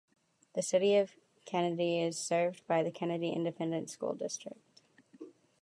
The City of Kenedy is served by the Kenedy Independent School District.